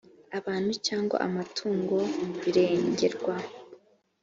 abantu cyangwa umutungo birengerwa